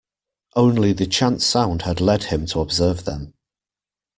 Only the chance sound had led him to observe them.